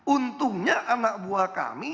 untungnya anak buah kami